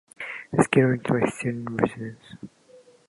It is currently a student residence.